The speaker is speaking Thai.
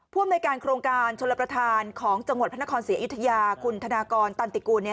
อำนวยการโครงการชลประธานของจังหวัดพระนครศรีอยุธยาคุณธนากรตันติกูล